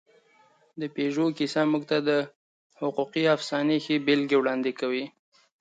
د پيژو کیسه موږ ته د حقوقي افسانې ښې بېلګې وړاندې کوي.